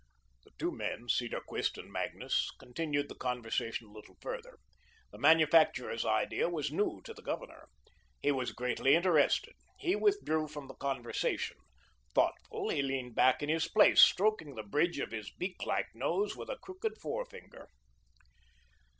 The two men, Cedarquist and Magnus, continued the conversation a little further. The manufacturer's idea was new to the Governor. He was greatly interested. He withdrew from the conversation. Thoughtful, he leaned back in his place, stroking the bridge of his beak like nose with a crooked forefinger.